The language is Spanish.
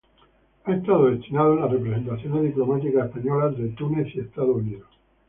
Ha estado destinado en las representaciones diplomáticas españolas en Túnez y Estados Unidos.